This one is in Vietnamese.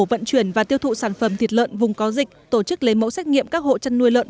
vận chuyển và tiêu thụ sản phẩm thịt lợn vùng có dịch tổ chức lấy mẫu xét nghiệm các hộ chăn nuôi lợn